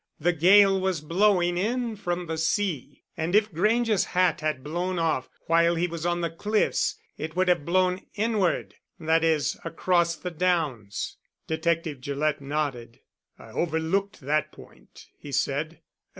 "The gale was blowing in from the sea, and if Grange's hat had blown off while he was on the cliffs it would have blown inward that is, across the downs." Detective Gillett nodded. "I overlooked that point," he said.